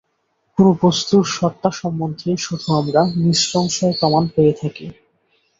কোন বস্তুর সত্তাসম্বন্ধেই শুধু আমরা নিঃসংশয় প্রমাণ পেয়ে থাকি।